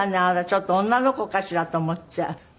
ちょっと女の子かしらと思っちゃう。